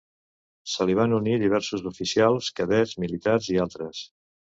Se li van unir diversos oficials, cadets militars i altres.